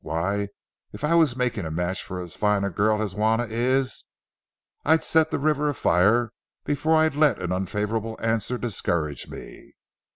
Why, if I was making a match for as fine a girl as Juana is, I'd set the river afire before I'd let an unfavorable answer discourage me.